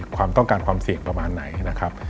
ความต้องการความเสี่ยงประมาณไหนนะครับ